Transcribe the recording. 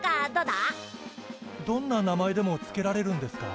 どんな名前でも付けられるんですか？